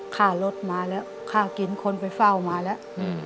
ค่ารถมาแล้วค่ากินคนไปเฝ้ามาแล้ว